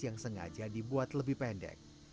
yang sengaja dibuat lebih pendek